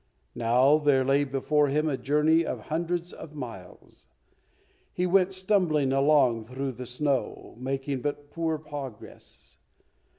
Now there lay before him a journey of hundreds of miles. He went stumbling along through the snow, making but poor progress.